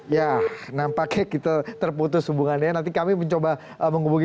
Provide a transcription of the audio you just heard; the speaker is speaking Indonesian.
ya menurut saya sih belum tentu ya